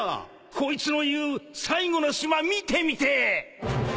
こいつの言う最後の島見てみてえ！